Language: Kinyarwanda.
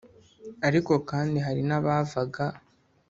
ariko kandi hari n’abavanga